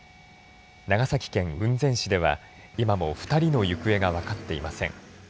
長崎県雲仙市では今も２人の行方が分かっていません。